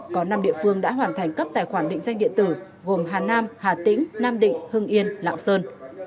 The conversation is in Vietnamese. có năm địa phương đã hoàn thành cấp tài khoản định danh điện tử gồm hà nam hà tĩnh nam định hưng yên lạng sơn